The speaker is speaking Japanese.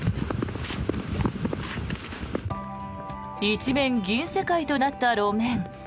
一面銀世界となった路面。